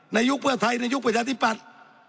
ยุคเพื่อไทยในยุคประชาธิปัตย์